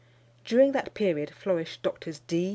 During that period flourished Drs.